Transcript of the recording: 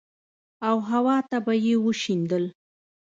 او هوا ته به يې وشيندل.